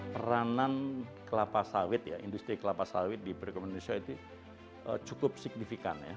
peranan kelapa sawit industri kelapa sawit di perikuman indonesia itu cukup signifikan